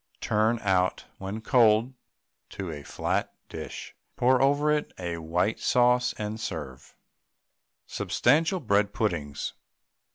Turn out when cold on to a flat dish, pour over it a white sauce, and serve. SUBSTANTIAL BREAD PUDDINGS.